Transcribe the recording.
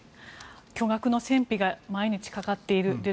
巨額の戦費が毎日かかっている。